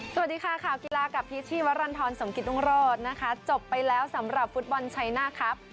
สวัสดีค่ะข่าวกีฬากับพีชชีวรรณฑรสมกิตรุงโรธนะคะจบไปแล้วสำหรับฟุตบอลชัยหน้าครับ